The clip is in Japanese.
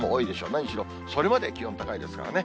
何しろ、それまで気温高いですからね。